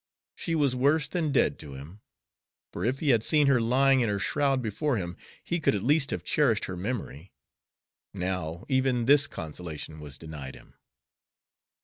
She was worse than dead to him; for if he had seen her lying in her shroud before him, he could at least have cherished her memory; now, even this consolation was denied him.